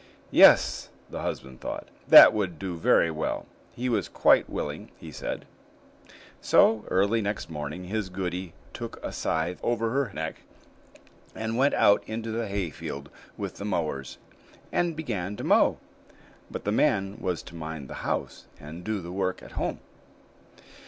Yes, the husband thought that would do very well. He was quite willing, he said. So, early next morning, his goody took a scythe over her neck, and went out into the hayfield with the mowers and began to mow; but the man was to mind the house, and do the work at home.